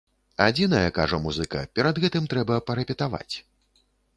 Адзінае, кажа музыка, перад гэтым трэба парэпетаваць.